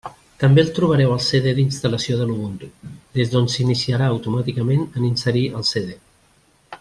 També el trobareu al CD d'instal·lació de l'Ubuntu, des d'on s'iniciarà automàticament en inserir el CD.